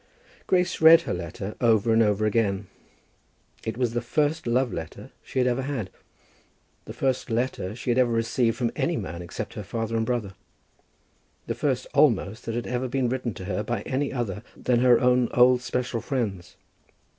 Grace read her letter over and over again. It was the first love letter she had ever had; the first letter she had ever received from any man except her father and brother, the first, almost, that had ever been written to her by any other than her own old special friends.